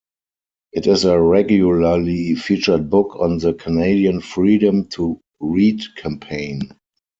It is a regularly featured book on the Canadian Freedom to Read campaign.